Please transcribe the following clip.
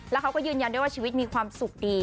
แล้วเขาก็ยืนยันด้วยว่าชีวิตมีความสุขดี